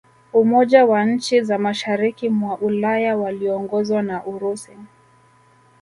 Umoja wa nchi za mashariki mwa Ulaya waliongozwa na Urusi